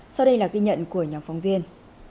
sau đây là ghi nhận của nhóm phóng viên